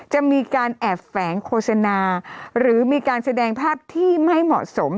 จะมีการแอบแฝงโฆษณาหรือมีการแสดงภาพที่ไม่เหมาะสม